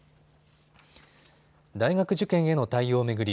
大学受験への対応を巡り